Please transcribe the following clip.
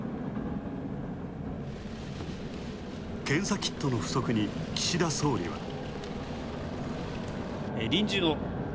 検査キットの不足に岸田総理は。